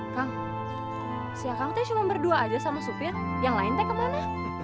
kang siakang tuh cuma berdua aja sama sopir yang lain teh kemana